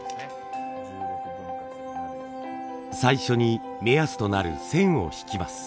最初に目安となる線を引きます。